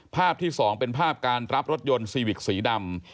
ภาพที่๒เป็นภาพการรับรถยนต์ซีวิกสีดำ